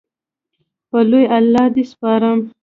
په لوی الله دې سپارم